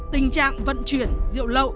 tình trạng vận chuyển rượu lậu